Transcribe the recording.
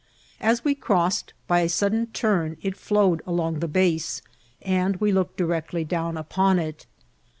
As we cross ed, by a sudden turn it flawed along the base, and we looked directly down upon it.